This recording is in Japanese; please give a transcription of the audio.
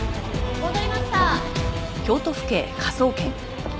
戻りました。